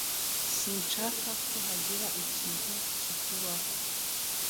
Sinshaka ko hagira ikintu kikubaho.